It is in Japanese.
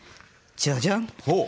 じゃじゃん。